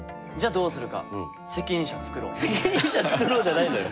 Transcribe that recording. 責任者つくろうじゃないのよ。